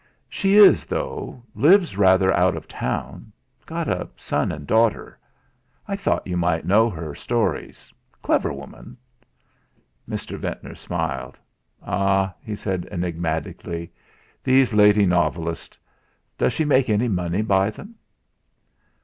"She is, though lives rather out of town; got a son and daughter. I thought you might know her stories clever woman." Mr. Ventnor smiled. "Ah!" he said enigmatically, "these lady novelists! Does she make any money by them?"